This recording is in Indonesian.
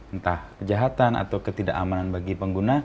entah kejahatan atau ketidakamanan bagi pengguna